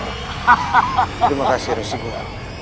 terima kasih rizky